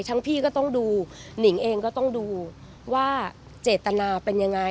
พี่ก็ต้องดูหนิงเองก็ต้องดูว่าเจตนาเป็นยังไง